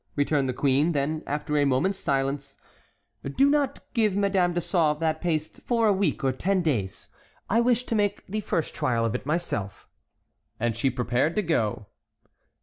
"Thanks, Réné," returned the queen; then, after a moment's silence: "Do not give Madame de Sauve that paste for a week or ten days; I wish to make the first trial of it myself." And she prepared to go.